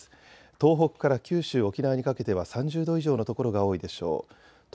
東北から九州、沖縄にかけては３０度以上の所が多いでしょう。